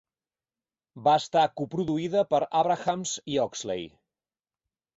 Va estar coproduïda per Abrahams i Oxley.